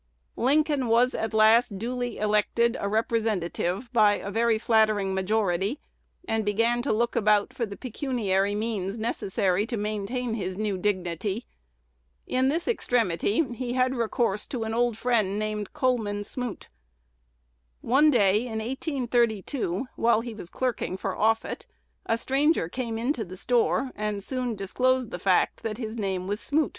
Lincoln was at last duly elected a Representative by a very flattering majority, and began to look about for the pecuniary means necessary to maintain his new dignity. In this extremity he had recourse to an old friend named Coleman Smoot. One day in 1832, while he was clerking for Offutt, a stranger came into the store, and soon disclosed the fact that his name was Smoot.